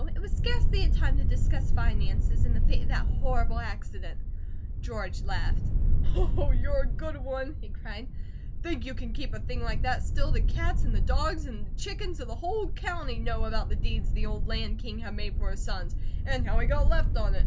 It was scarcely a time to discuss finances, in the face of that horrible accident." George laughed. "Oh, you're a good one!" he cried. "Think you can keep a thing like that still? The cats, and the dogs, and the chickens of the whole county know about the deeds the old Land King had made for his sons; and how he got left on it.